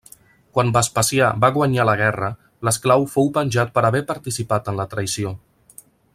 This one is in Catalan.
Quan Vespasià va guanyar la guerra, l'esclau fou penjat per haver participat en la traïció.